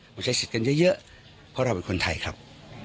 มาใช้สิทธิ์กันเยอะเพราะเราเป็นคนไทยครับ